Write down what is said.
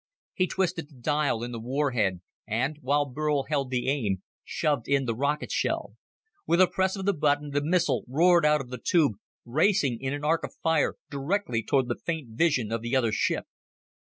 He twisted the dial in the warhead and, while Burl held the aim, shoved in the rocket shell. With a press of the button, the missile roared out of the tube, racing in an arc of fire directly toward the faint vision of the other ship.